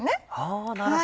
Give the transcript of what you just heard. なるほど。